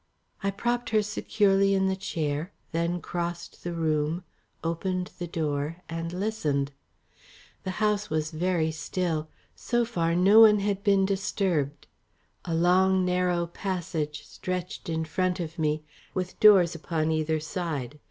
I propped her securely in the chair, then crossed the room, opened the door and listened. The house was very still; so far no one had been disturbed. A long narrow passage stretched in front of me, with doors upon either side.